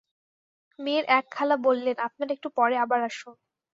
মেয়ের এক খালা বললেন, আপনারা একটু পরে আবার আসুন।